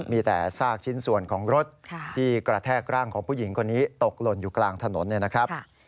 มีแต่ซากชิ้นส่วนของรถที่กระแทกร่างของผู้หญิงคนนี้ตกหล่นอยู่กลางถนนเนี่ยนะครับ